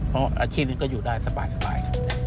เพราะอาชีพนี้ก็อยู่ได้สบาย